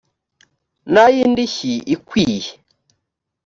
n ay indishyi ikwiye